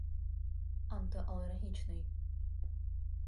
антиалергічний